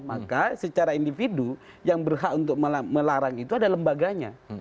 maka secara individu yang berhak untuk melarang itu ada lembaganya